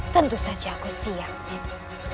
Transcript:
tentu saja aku siap ini